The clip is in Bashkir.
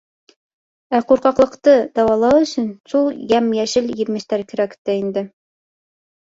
Ә ҡурҡаҡлыҡты дауалау өсөн шул йәм-йәшел емештәр кәрәк тә инде.